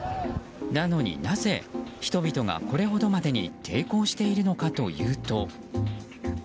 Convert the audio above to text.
なのになぜ人々がこれほどまでに抵抗しているのかというと。